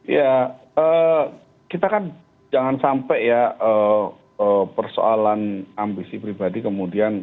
ya kita kan jangan sampai ya persoalan ambisi pribadi kemudian